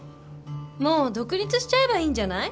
もう独立しちゃえばいいんじゃない？